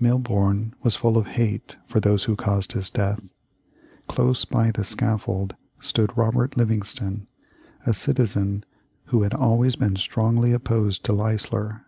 Milborne was full of hate for those who caused his death. Close by the scaffold stood Robert Livingston, a citizen who had always been strongly opposed to Leisler.